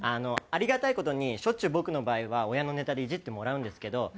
ありがたい事にしょっちゅう僕の場合は親のネタでイジってもらうんですけど。